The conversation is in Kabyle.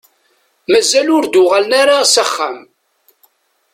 Mazal ur d-uɣalen ara s axxam.